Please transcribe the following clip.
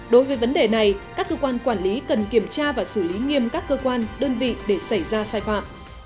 đối với vấn đề này các cơ quan quản lý cần kiểm tra và xử lý nghiêm các cơ quan đơn vị để xảy ra sai phạm